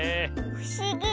ふしぎ。